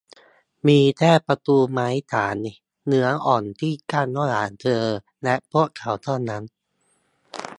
มีแค่ประตูไม้สานเนื้ออ่อนที่กั้นระหว่างเธอและพวกเขาเท่านั้น